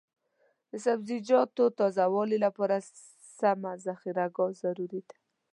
د سبزیجاتو تازه والي لپاره سمه ذخیره ګاه ضروري ده.